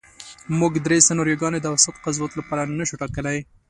موږ درې سناریوګانې د اوسط قضاوت لپاره نشو ټاکلی.